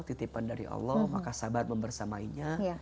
titipan dari allah maka sabar membersamainya